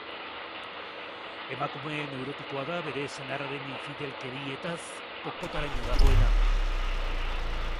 Emakume neurotikoa da, bere senarraren infidelkerietaz kokotaraino dagoena.